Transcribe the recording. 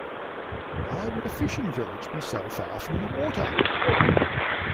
Why would a fishing village be so far from the water?